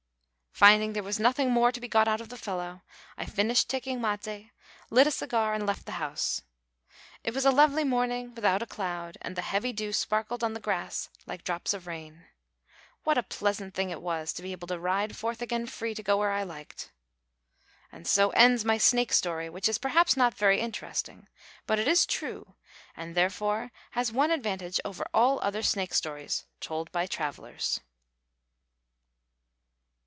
Finding there was nothing more to be got out of the fellow, I finishing taking maté, lit a cigar, and left the house. It was a lovely morning, without a cloud, and the heavy dew sparkled on the grass like drops of rain. What a pleasant thing it was to be able to ride forth again free to go where I liked! And so ends my snake story, which is perhaps not very interesting; but it is true, and therefore has one advantage over all other snake stories told by travellers.